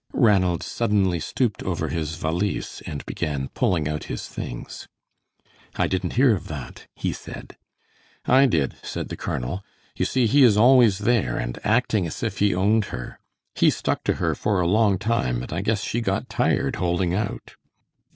Ranald suddenly stooped over his valise and began pulling out his things. "I didn't hear of that," he said. "I did," said the colonel; "you see he is always there, and acting as if he owned her. He stuck to her for a long time, and I guess she got tired holding out."